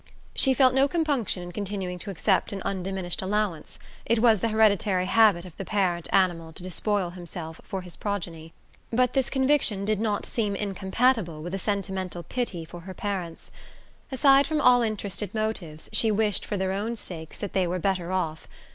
She felt no compunction in continuing to accept an undiminished allowance: it was the hereditary habit of the parent animal to despoil himself for his progeny. But this conviction did not seem incompatible with a sentimental pity for her parents. Aside from all interested motives, she wished for their own sakes that they were better off.